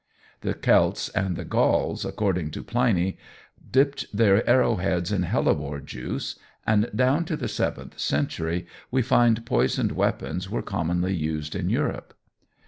The Celts and the Gauls, according to Pliny, dipped their arrow heads in hellebore juice; and down to the seventh century we find poisoned weapons were commonly used in Europe.